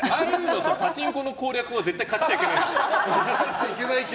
あとパチンコの攻略は絶対買っちゃいけないんです。